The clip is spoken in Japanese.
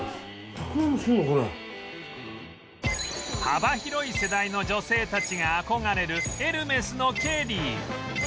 幅広い世代の女性たちが憧れるエルメスのケリー